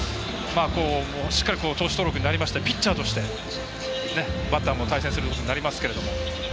しっかり、投手登録になりましてピッチャーとしてバッターも対戦することになりますけど。